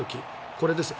これですよ。